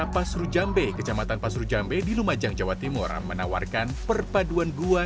pembangunan kedung gua